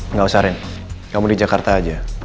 nggak usah ren kamu di jakarta aja